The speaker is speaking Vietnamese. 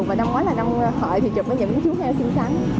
và năm ngoái là năm hợi thì chụp với những chú heo xinh xắn